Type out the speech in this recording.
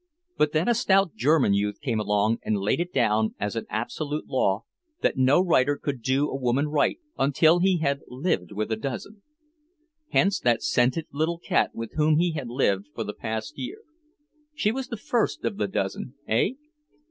But then a stout German youth came along and laid it down as an absolute law that no writer could do a woman right until he had lived with a dozen. Hence that scented little cat with whom he had lived for the past year. She was the first of the dozen, eh?